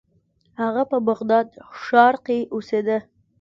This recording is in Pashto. هغه په بغداد ښار کې اوسیده.